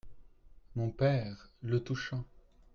Mon… père… — Le touchant .